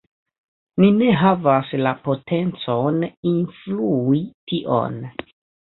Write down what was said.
Ni ne havas la potencon influi tion.